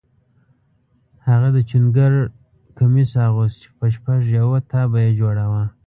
هغه د چوڼ ګرد کمیس اغوست چې په شپږ یا اووه تابه یې جوړاوه.